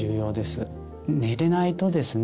寝れないとですね